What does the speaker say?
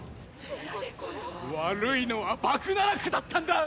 悪いのはバグナラクだったんだ！